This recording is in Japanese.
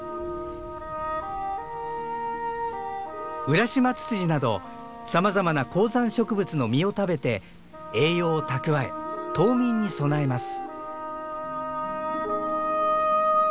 ウラシマツツジなどさまざまな高山植物の実を食べて栄養を蓄え冬眠に備えます。